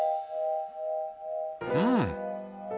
うん？